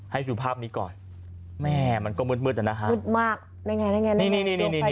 ให้สู่ภาพนี้ก่อนแม่มันก็มืดด้วยมืดมากได้ไง